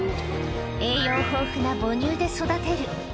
栄養豊富な母乳で育てる。